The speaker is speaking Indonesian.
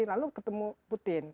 lalu ketemu putin